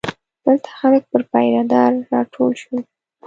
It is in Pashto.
دلته خلک پر پیره دار راټول شول.